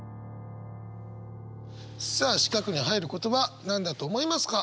さあ四角に入る言葉何だと思いますか？